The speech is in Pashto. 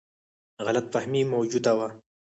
غلط فهمي موجوده وه.